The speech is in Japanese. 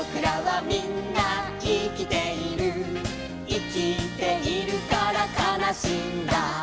「いきているからかなしいんだ」